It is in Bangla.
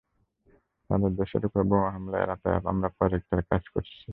তাদের দেশের উপর বোমা হামলা এড়াতে, আমরা প্রজেক্টটার কাজ করেছি।